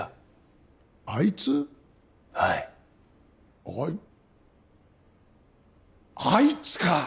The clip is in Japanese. はいあいあいつか！